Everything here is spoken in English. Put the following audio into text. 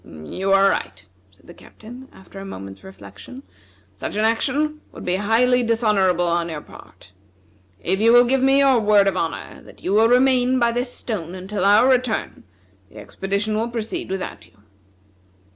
"You are right," said the Captain, after a moment's reflection, "such an action would be highly dishonorable on your part. If you will give me your word of honor that you will remain by this stone until our return, the expedition will proceed without you."